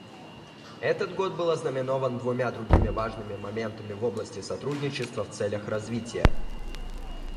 Этот год был ознаменован двумя другими важными моментами в области сотрудничества в целях развития.